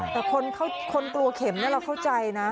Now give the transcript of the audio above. แต่คนกลัวเข็มเราเข้าใจนะ